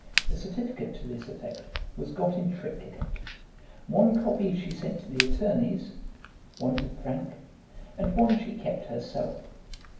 A certificate to this effect was got in triplicate. One copy she sent to the attorneys, one to Frank, and one she kept herself.